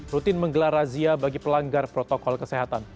rutin menggelar razia bagi pelanggar protokol kesehatan